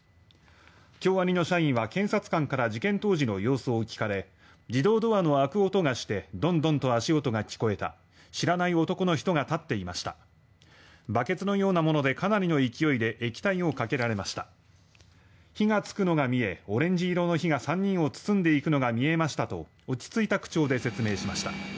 京アニの社員は検察官から事件当時の様子を聞かれ自動ドアの開く音がしてドンドンと足音が聞こえた知らない男の人が立っていましたバケツのようなものでかなりの勢いで液体をかけられました火がつくのが見えオレンジ色の火が３人を包んでいくのが見えましたと落ち着いた口調で説明しました。